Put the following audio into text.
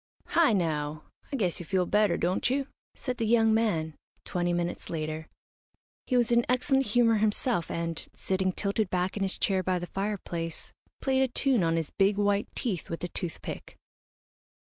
"Hi now I guess you feel better, don't you?" said the young man, twenty minutes later. He was in excellent humour himself, and, sitting tilted back in his chair by the fireplace, played a tune on his big white teeth with a toothpick.